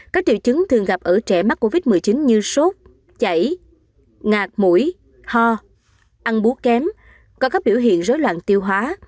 các triệu chứng thường gặp ở trẻ mắc covid một mươi chín như sốt chảy ngạc mũi ho ăn búa kém có các biểu hiện rối loạn tiêu hóa